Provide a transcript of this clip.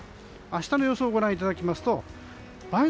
明日の予想をご覧いただきますと梅雨